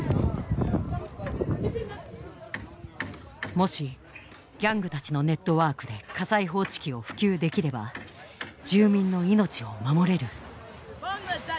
もしギャングたちのネットワークで火災報知器を普及できれば住民の命を守れる。